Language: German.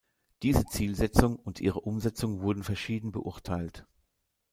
Diese Zielsetzung und ihre Umsetzung wurden verschieden beurteilt.